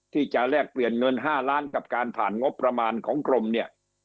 แลกเปลี่ยนเงิน๕ล้านกับการผ่านงบประมาณของกรมเนี่ย